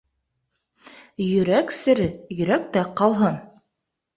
Йөрәк сере йөрәктә ҡалһын.